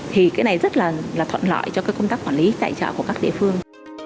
thì cái này rất là thuận lợi cho cái công tác quản lý tại chợ của các địa phương